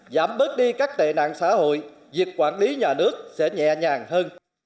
giảm bớt đi các tệ nạn xã hội việc quản lý nhà nước sẽ nhẹ nhàng hơn